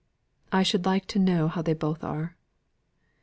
I should like to know how they both are."